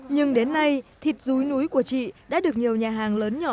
nhưng đến nay thịt rúi núi của chị đã được nhiều nhà hàng lớn nhỏ